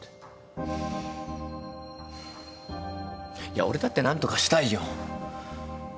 いや俺だって何とかしたいよ。